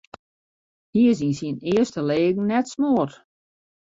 Hy is yn syn earste leagen net smoard.